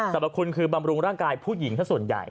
พคุณคือบำรุงร่างกายผู้หญิงสักส่วนใหญ่